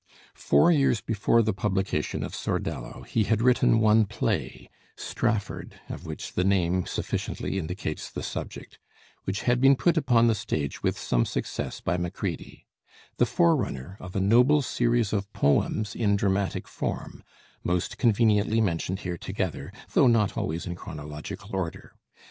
Four years before the publication of 'Sordello' he had written one play, 'Strafford,' of which the name sufficiently indicates the subject, which had been put upon the stage with some success by Macready; the forerunner of a noble series of poems in dramatic form, most conveniently mentioned here together, though not always in chronological order.